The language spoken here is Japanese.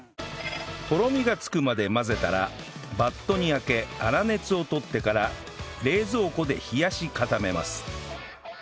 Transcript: とろみがつくまで混ぜたらバットにあけ粗熱をとってから冷蔵庫で冷やし固めます